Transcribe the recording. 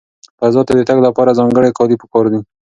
فضا ته د تګ لپاره ځانګړي کالي پکار دي.